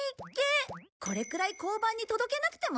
これくらい交番に届けなくてもいいよね。